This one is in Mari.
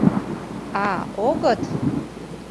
А, огыт?